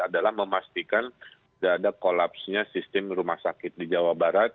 adalah memastikan tidak ada kolapsnya sistem rumah sakit di jawa barat